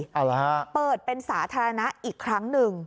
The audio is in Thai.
เอาเหรอฮะเปิดเป็นสาธารณะอีกครั้งหนึ่ง